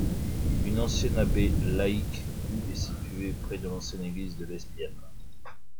Une ancienne abbaye laïque du est située près de l'ancienne église de Lespielle.